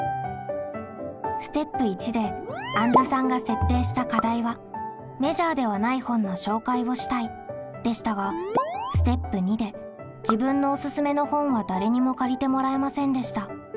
ステップ①であんずさんが設定した課題は「メジャーではない本の紹介をしたい」でしたがステップ②で自分のおすすめの本は誰にも借りてもらえませんでした。